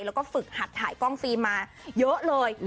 แล้วก็ฝึกหัดถ่ายกล้องฟิล์มมาเยอะเลย